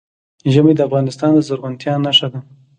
ژمی د افغانستان د زرغونتیا نښه ده.